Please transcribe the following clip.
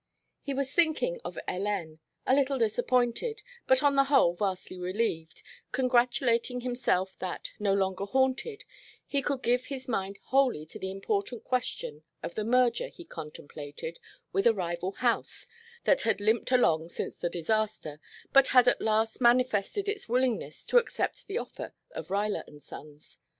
He was thinking of Hélène, a little disappointed, but on the whole vastly relieved, congratulating himself that, no longer haunted, he could give his mind wholly to the important question of the merger he contemplated with a rival house that had limped along since the disaster, but had at last manifested its willingness to accept the offer of Ruyler and Sons.